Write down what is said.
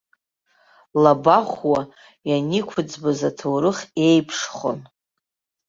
Лабахәуа ианиқәыӡбоз аҭоурых еиԥшхон.